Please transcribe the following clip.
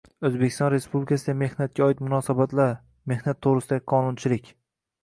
“O‘zbekiston Respublikasida mehnatga oid munosabatlar mehnat to‘g‘risidagi qonunchilik